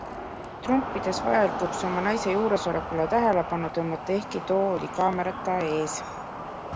Trump pidas vajalikuks oma naise juuresolekule tähelepanu tõmmata, ehkki too oli kaamerata ees.